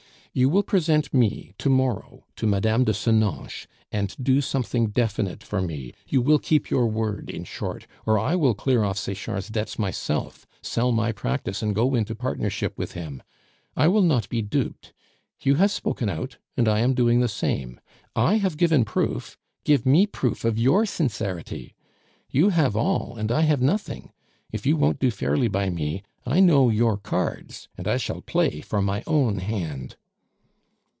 "You will present me to morrow to Mme. de Sononches, and do something definite for me; you will keep your word, in short; or I will clear off Sechard's debts myself, sell my practice, and go into partnership with him. I will not be duped. You have spoken out, and I am doing the same. I have given proof, give me proof of your sincerity. You have all, and I have nothing. If you won't do fairly by me, I know your cards, and I shall play for my own hand."